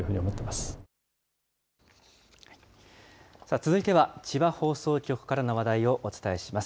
続いては千葉放送局からの話題をお伝えします。